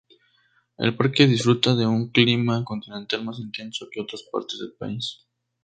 El parque disfruta de un clima continental más intenso que otras partes del país.